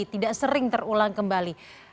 tidak sering terulang kembali